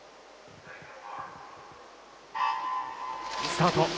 スタート。